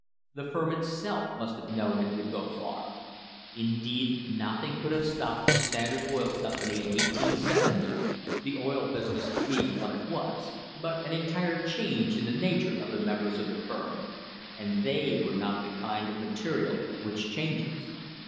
The firm itself must have known it would go far. Indeed nothing could have stopped the Standard Oil Company in 1870 — the oil business being what it was — but an entire change in the nature of the members of the firm, and they were not the kind of material which changes.